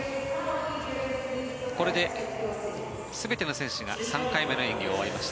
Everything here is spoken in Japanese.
これで全ての選手が３回目の演技が終わりました。